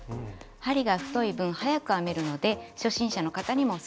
針が太い分早く編めるので初心者の方にもオススメです。